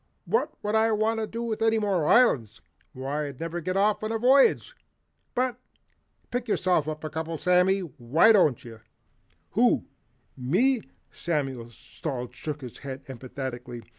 What would I want with any more islands? Why I'd never get off on a voyage. But pick yourself a couple, Sammy, why don't you?" "Who, ME?" Samuel Salt shook his head emphatically.